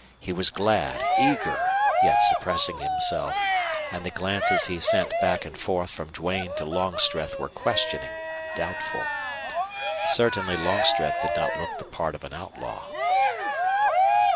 He was glad, eager, yet suppressing himself, and the glances he sent back and forth from Duane to Longstreth were questioning, doubtful. Certainly Longstreth did not look the part of an outlaw.